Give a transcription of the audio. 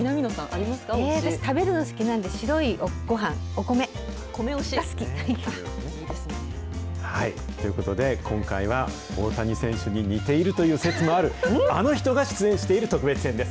私、食べるの好きなんで、白米推し？ということで、今回は、大谷選手に似ているという説もあるあの人が出演している特別編です。